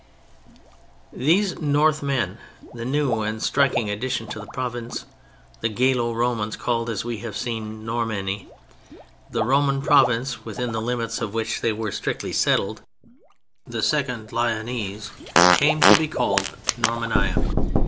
These "North men," the new and striking addition to the province, the Gallo Romans called, as we have seen "Nordmanni." The Roman province, within the limits of which they were strictly settled, the second Lyonnese, came to be called "Normannia."